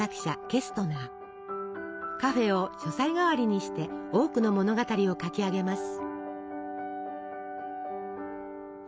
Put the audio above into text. カフェを書斎代わりにして多くの物語を書き上げます。